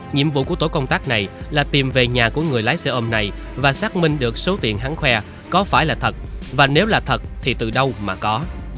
nhiệm vụ của tổ công tác này là tìm về nhà của người lái xe ôm này và xác minh được số tiền hắn khoe có phải là thật và nếu là thật thì từ đâu mà có